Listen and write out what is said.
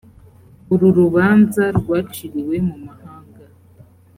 uru rubanza rwaciriwe mu mahanga